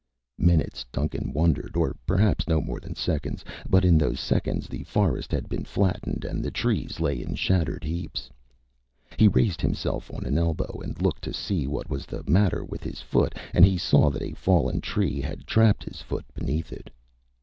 Minutes, Duncan wondered, or perhaps no more than seconds. But in those seconds, the forest had been flattened and the trees lay in shattered heaps. He raised himself on an elbow and looked to see what was the matter with his foot and he saw that a fallen tree had trapped his foot beneath it.